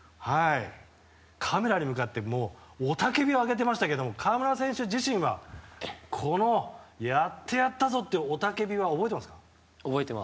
カメラに向かってもう雄たけびを上げてましたが河村選手自身はこの、やってやったぞって雄たけびは覚えていますか？